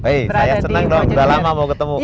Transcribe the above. saya senang dong sudah lama mau ketemu